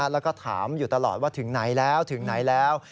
แล้วก็ถามอยู่ตลอดว่าถึงไหนแล้วถึงไหนแล้ว